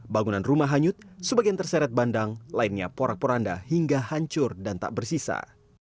bangunan rumah hanyut sebagian terseret bandang lainnya porak poranda hingga hancur dan tak bersisa